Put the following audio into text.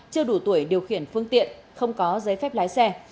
chưa đủ tuổi điều khiển phương tiện không có giấy phép lái xe